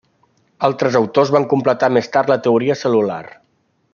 Altres autors van completar més tard la teoria cel·lular.